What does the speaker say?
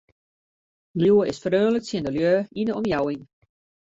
Liuwe is freonlik tsjin de lju yn de omjouwing.